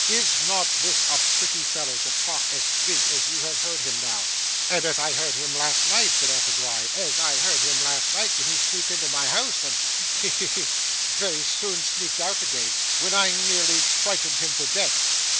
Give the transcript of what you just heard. Is not this a pretty fellow to talk as big as you have heard him now?' 'And as I heard him last night,' said Arthur Gride; 'as I heard him last night when he sneaked into my house, and he! he! he! very soon sneaked out again, when I nearly frightened him to death.